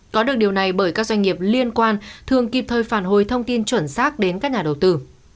có được điều này bởi các doanh nghiệp liên quan thường kịp thời phản hồi thông tin chuẩn xác đến các nhà đầu tư